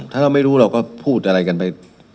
ถ้าเราไม่รู้เราก็พูดอะไรกันไป